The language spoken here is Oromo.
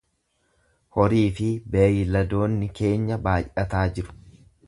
Horii fi beeyladoonni keenya baay'ataa jiru.